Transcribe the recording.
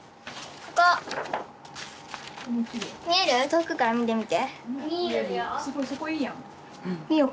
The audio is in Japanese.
とおくから見てみて。